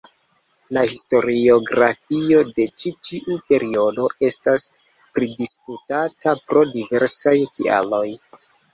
La historiografio de ĉi tiu periodo estas pridisputata pro diversaj kialoj.